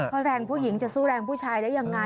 เพราะแรงผู้หญิงจะสู้แรงผู้ชายได้ยังไง